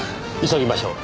急ぎましょう。